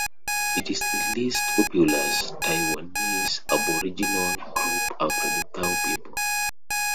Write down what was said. It is the least populous Taiwanese aboriginal group after the Thao people.